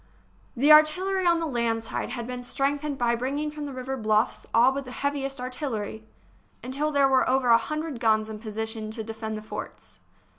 The artillery on the land side had been strength ened by bringing from the river bluffs all but the heaviest artillery, until there were over a hundred guns in position to defend the forts.